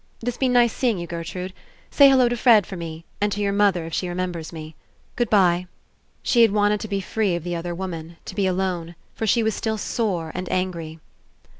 It has been nice seeing you, Gertrude. Say hello to Fred for me, and to your mother If she remembers me. Good bye." She had wanted to be free of the other woman, to be alone; for she was still sore and angry.